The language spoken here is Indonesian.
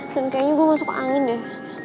dan kayaknya gue masuk angin deh